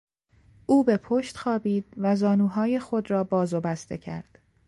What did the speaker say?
او به پشت خوابید و زانوهای خود را باز و بسته کرد.